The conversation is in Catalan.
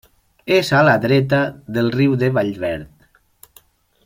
És a la dreta del riu de Vallverd.